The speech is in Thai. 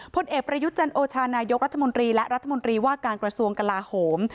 พลเอกประยุทธ์จันโอชานายกรัฐมนตรีและรัฐมนตรีว่าการกระทรวงกลาโหม